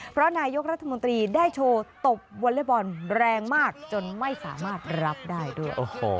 เพราะนายกรัฐมนตรีได้โชว์ตบวอเล็กบอลแรงมากจนไม่สามารถรับได้ด้วย